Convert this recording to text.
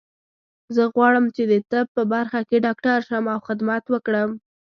زه غواړم چې د طب په برخه کې ډاکټر شم او خدمت وکړم